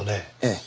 ええ。